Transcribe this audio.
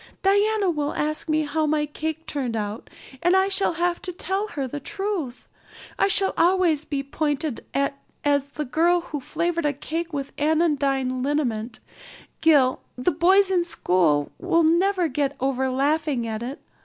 Diana will ask me how my cake turned out and I shall have to tell her the truth. I shall always be pointed at as the girl who flavored a cake with anodyne liniment. Gil the boys in school will never get over laughing at it.